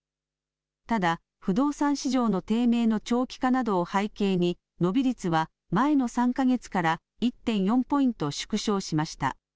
ただ不動産市場の低迷の長期化などを背景に伸び率は前の３か月から１．４ポイント縮小しました。